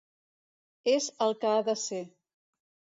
És el que ha de ser.